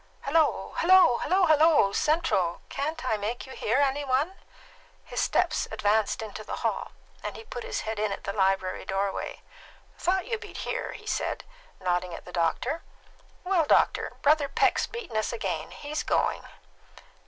"Hello! hello! hello! Hello, Central! Can't I make you hear, any one?" His steps advanced into the hall, and he put his head in at the library doorway. "Thought you'd be here," he said, nodding at the doctor. "Well, doctor, Brother Peck's beaten us again. He's going."